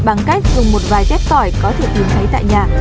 bằng cách dùng một vài kép tỏi có thể tìm thấy tại nhà